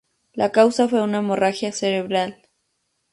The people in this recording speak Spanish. La causa fue una hemorragia cerebral.